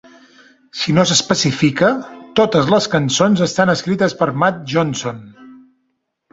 Si no s'especifica, totes les cançons estan escrites per Matt Johnson.